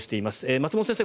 松本先生